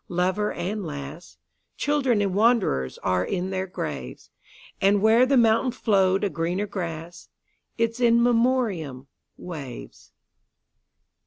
Lover and lass, Children and wanderers, are in their graves; And where the fountain flow'd a greener grass—Its In Memoriam—waves.